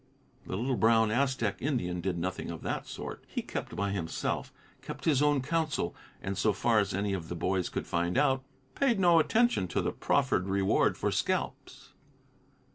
The little brown Aztec Indian did nothing of that sort; he kept by himself, kept his own counsel, and so far as any of the boys could find out, paid no attention to the proffered reward for scalps.